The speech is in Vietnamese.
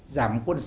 giảm quân số